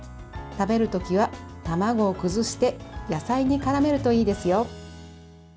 食べる時は卵を崩して野菜にからめるといいですよ。